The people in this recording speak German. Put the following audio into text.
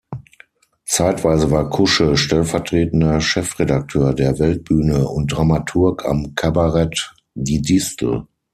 Zeitweise war Kusche stellvertretender Chefredakteur der "Weltbühne" und Dramaturg am Kabarett Die Distel.